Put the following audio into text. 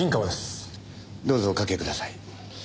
どうぞお掛けください。